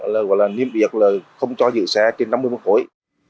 lời gọi là niêm biệt lời